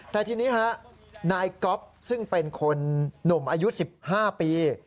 แต่ทีนี้ฮะนายก๊อฟซึ่งเป็นคนหนุ่มอายุ๑๕ปี